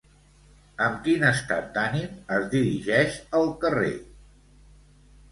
Amb quin estat d'ànim es dirigeix al carrer?